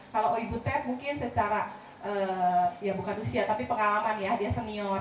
kalau ibu ted mungkin secara pengalaman dia senior